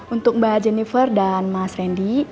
untuk mbak jennifer dan mas randy